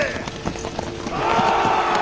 お！